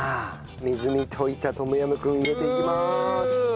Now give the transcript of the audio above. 水に溶いたトムヤムクン入れていきます！